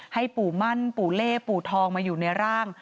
ให้ปู่มั่นปู่เล่ปู่ทองมาอยู่ในร่าง